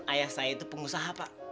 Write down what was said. ayah saya itu pengusaha pak